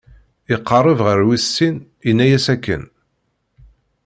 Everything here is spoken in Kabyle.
Iqerreb ɣer wis sin, inna-as akken.